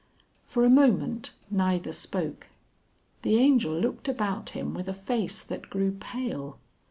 For a moment neither spoke. The Angel looked about him with a face that grew pale.